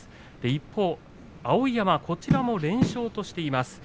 一方碧山、こちらも連勝としています。